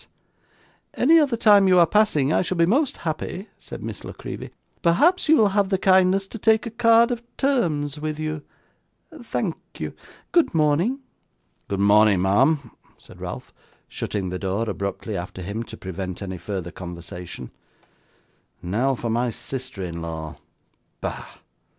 'At any other time when you are passing, I shall be most happy,' said Miss La Creevy. 'Perhaps you will have the kindness to take a card of terms with you? Thank you good morning!' 'Good morning, ma'am,' said Ralph, shutting the door abruptly after him to prevent any further conversation. 'Now for my sister in law. Bah!